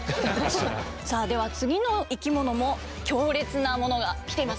さあでは次の生きものも強烈なものが来ています。